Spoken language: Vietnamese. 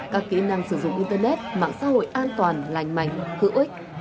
các kỹ năng sử dụng internet mạng xã hội an toàn lành mạnh hữu ích